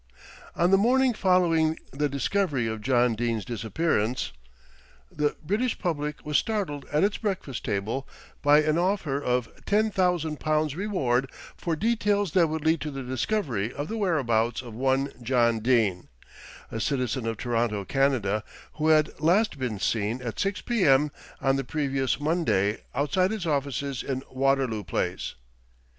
On the morning following the discovery of John Dene's disappearance, the British public was startled at its breakfast table by an offer of £10,000 reward for details that would lead to the discovery of the whereabouts of one John Dene, a citizen of Toronto, Canada, who had last been seen at 6 p.m. on the previous Monday outside his offices in Waterloo Place.